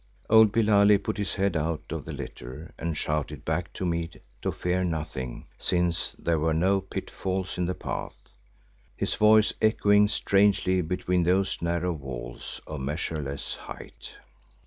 Old Billali put his head out of the litter and shouted back to me to fear nothing, since there were no pitfalls in the path, his voice echoing strangely between those narrow walls of measureless height.